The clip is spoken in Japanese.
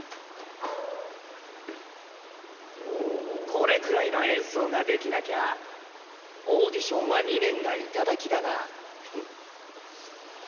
このくらいの演奏ができなきゃオーディションは２年がいただきだな！